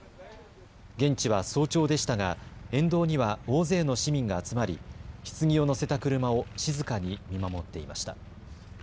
現地は早朝でしたが沿道には大勢の市民が集まりひつぎを乗せた車を静かに見守っていました。